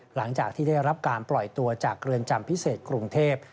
หลังจากที่ได้รับการปล่อยตัวจากเรือนจำพิเศษกรุงเทพ